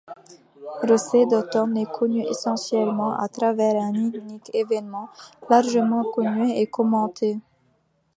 Rosée d'automne est connu essentiellement à travers un unique événement, largement connu et commenté.